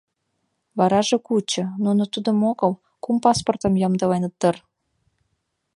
Вараже кучо, нуно тудым огыл, кум паспортым ямдыленыт дыр.